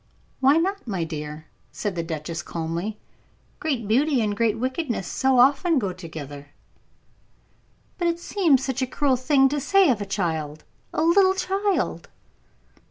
"Why not, my dear?" said the duchess, calmly. "Great beauty and great wickedness so often go together." "But it seems such a cruel thing to say of a child a little child."